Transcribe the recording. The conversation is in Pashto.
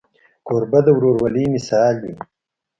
کوربه د ورورولۍ مثال وي.